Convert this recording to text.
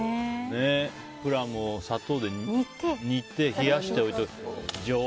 プラム、砂糖で煮て冷やして置いておく。